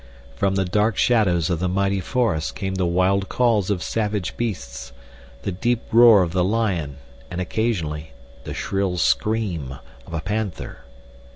From the dark shadows of the mighty forest came the wild calls of savage beasts—the deep roar of the lion, and, occasionally, the shrill scream of a panther.